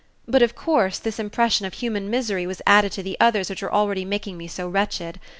But of course this impression of human misery was added to the others which were already making me so wretched.